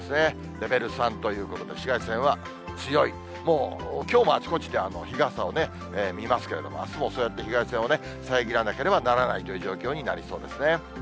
レベル３ということで、紫外線は強い、もうきょうもあちこちで日傘をね、見ますけれども、あすもそうやって紫外線を遮らなければならないという状況になりそうですね。